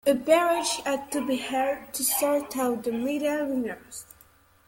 A barrage had to be held to sort out the medal winners.